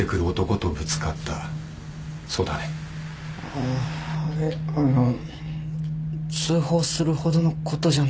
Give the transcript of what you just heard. あっはいあの通報するほどのことじゃないかと。